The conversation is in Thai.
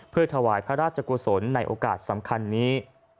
เพื่อถวายพระราชกุศลในโอกาสสำคัญนี้